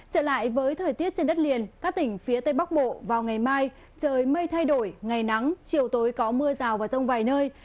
trở lại với thời tiết trên đất liền các tỉnh phía tây bắc bộ vào ngày mai trời mây thay đổi ngày nắng chiều tối có mưa rào và rông vài nơi